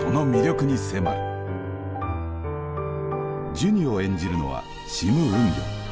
ジュニを演じるのはシム・ウンギョン。